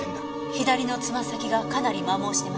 左のつま先がかなり磨耗してますね。